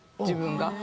自分が。